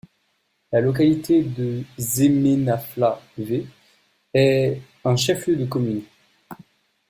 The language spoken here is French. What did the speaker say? La localité de Zéménafla-V est un chef-lieu de commune.